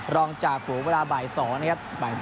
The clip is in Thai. จ่าฝูงเวลาบ่าย๒นะครับ